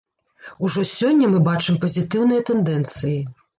Ужо сёння мы бачым пазітыўныя тэндэнцыі.